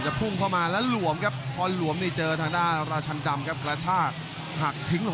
เราไปรุ้นกันดีกว่าว่าจะมีรวรรณไฟเตอร์